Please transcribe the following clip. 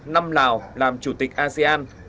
năm lào làm chủ tịch asean